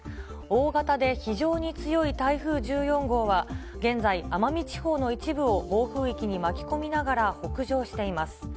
大型で非常に強い台風１４号は、現在、奄美地方の一部を暴風域に巻き込みながら北上しています。